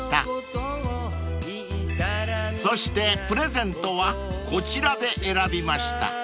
［そしてプレゼントはこちらで選びました］